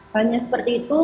hanya seperti itu